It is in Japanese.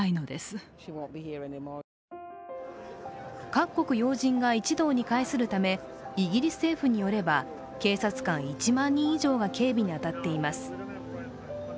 各国要人が一堂に会するためイギリス政府によれば警察官１万人以上が警備に当たっています。